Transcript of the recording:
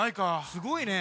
すごいね。